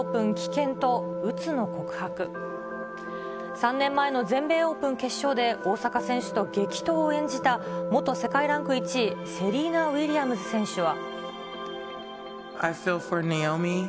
３年前の全米オープン決勝で大坂選手と激闘を演じた元世界ランク１位、セリーナ・ウィリアムズ選手は。